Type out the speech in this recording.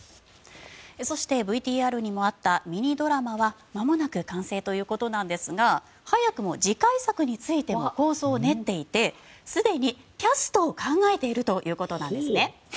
そして、ＶＴＲにもあったミニドラマはまもなく完成ということなんですが早くも次回作についても構想を練っていてすでにキャストを考えているということなんですね。